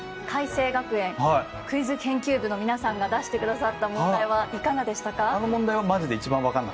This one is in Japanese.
開成学園クイズ研究部の皆さんが出してくださった問題はいかがでしたか？